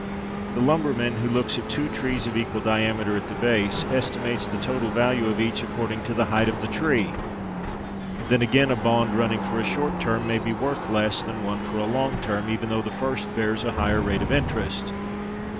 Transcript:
The lumberman, who looks at two trees of equal diameter at the base, estimates the total value of each according to the height of the tree. Then, again, a bond running for a short term may be worth less than one for a long term, even though the first bears a higher rate of interest.